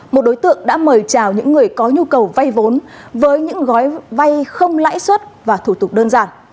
một đối tượng đã mời chào những người có nhu cầu vay vốn với những gói vay không lãi suất và thủ tục đơn giản